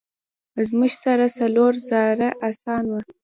زموږ سره څلور زره آسونه وه.